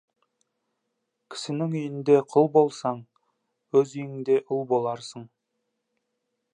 Кісінің үйінде құл болсаң, өз үйіңде ұл боларсың.